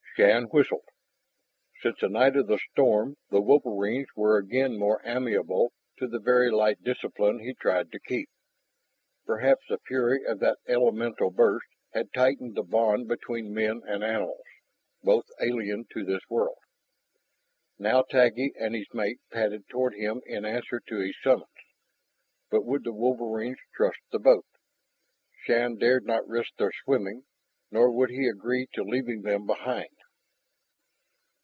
Shann whistled. Since the night of the storm the wolverines were again more amenable to the very light discipline he tried to keep. Perhaps the fury of that elemental burst had tightened the bond between men and animals, both alien to this world. Now Taggi and his mate padded toward him in answer to his summons. But would the wolverines trust the boat? Shann dared not risk their swimming, nor would he agree to leaving them behind.